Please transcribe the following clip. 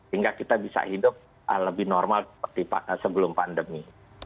hingga kita bisa hidup lebih normal sebelum pandemi